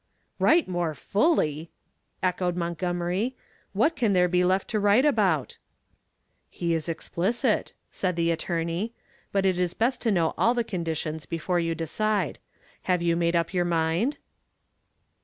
"Write more fully!" echoed Montgomery. "What can there be left to write about?" "He is explicit," said the attorney, "but it is best to know all the conditions before you decide. Have you made up your mind?"